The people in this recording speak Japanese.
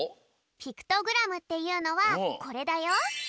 ピクトグラムっていうのはこれだよ。